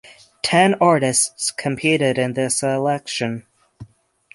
Ten artists competed in the selection.